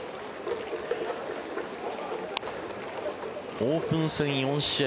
オープン戦４試合